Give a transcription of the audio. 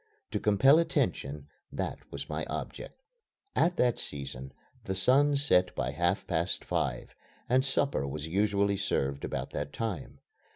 To compel attention that was my object. At that season the sun set by half past five and supper was usually served about that time.